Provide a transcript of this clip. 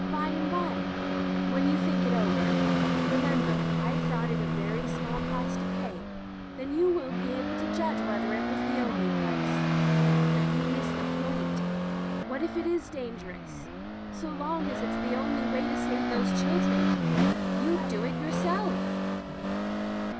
By and by — ^when you think it over — ^remember I thought it a very small price to pay — then you will be able to judge whether it was the only price." "But you miss the point. What, if it is dangerous — so long as it's the only way to save those children ? You'd do it yourself."